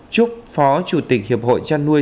trúc phó chủ tịch hiệp hội chăn nuôi